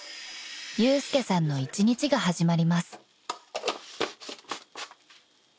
祐介さんの一日が始まります］